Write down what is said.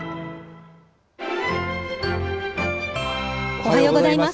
おはようございます。